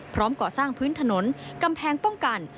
พร้อมก่อสร้างพื้นถนนกำแพงป้องกัน